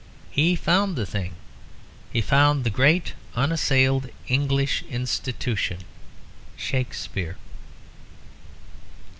He found the thing; he found the great unassailed English institution Shakespeare.